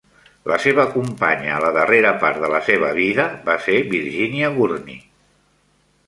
La seva companya a la darrera part de la seva vida va ser Virginia Gurnee.